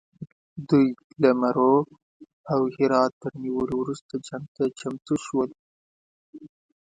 دوی له مرو او هرات تر نیولو وروسته جنګ ته چمتو شول.